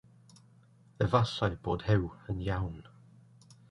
Efallai bod Huw yn iawn.